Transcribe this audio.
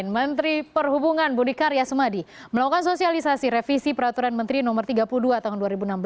menteri perhubungan budi karya sumadi melakukan sosialisasi revisi peraturan menteri no tiga puluh dua tahun dua ribu enam belas